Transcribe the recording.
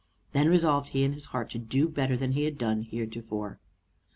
Then resolved he in his heart to do better than he had done heretofore.